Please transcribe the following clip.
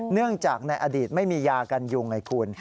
เนื่องจากในอดีตไม่มียากันยุงไงคุณ